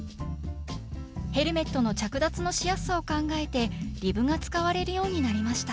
ヘルメットの着脱のしやすさを考えてリブが使われるようになりました